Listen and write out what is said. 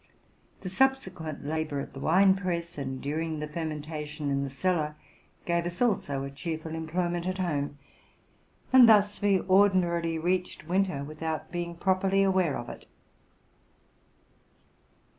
The subsequent labor at the wine press, and during the fer mentation in the cellar, gave us also a cheerful employment at home; and thus we ordinarily reached winter without being properly aware of it.